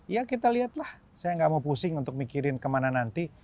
ya kita lihatlah saya nggak mau pusing untuk mikirin kemana nanti